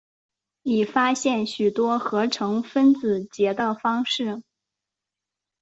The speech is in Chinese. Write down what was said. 已发现许多合成分子结的方式。